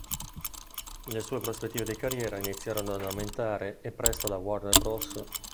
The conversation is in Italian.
Le sue prospettive di carriera iniziarono ad aumentare e presto la Warner Bros.